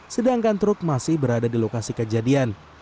sedangkan truk masih berada di lokasi kejadian